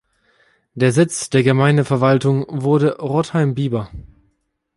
Der Sitz der Gemeindeverwaltung wurde Rodheim-Bieber.